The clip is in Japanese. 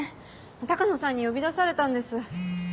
鷹野さんに呼び出されたんです。